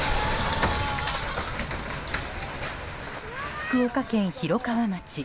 福岡県広川町。